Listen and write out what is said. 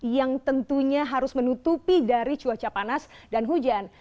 yang tentunya harus menutupi dari cuaca panas dan hujan